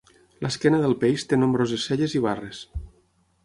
L'esquena del peix té nombroses selles i barres.